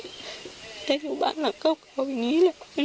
กลายอยู่บ้านหลังเขาเหล่าอย่างเงี้ย